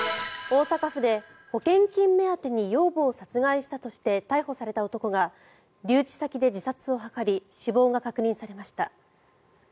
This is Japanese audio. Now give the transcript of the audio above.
大阪府で保険金目当てに養母を殺害したとして逮捕された男が留置先で自殺を図り死亡が確認されました。